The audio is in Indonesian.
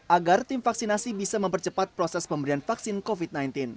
agar tim vaksinasi bisa mempercepat proses pemberian vaksin covid sembilan belas